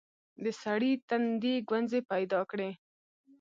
د سړي تندي ګونځې پيداکړې.